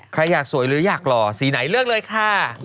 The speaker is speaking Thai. ใครอยากสวยหรืออยากหล่อสีไหนเลือกเลยค่ะ